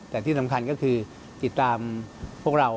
แต่ที่สำคัญก็คือติดตามพวกเรา